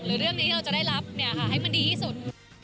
เรื่องนี้เราจะได้รับให้มันดีที่สุด